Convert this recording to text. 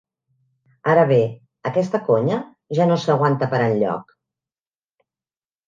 Ara bé, aquesta conya ja no s'aguanta per enlloc.